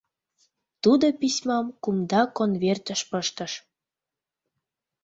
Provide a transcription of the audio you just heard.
Тудо письмам кумда конвертыш пыштыш.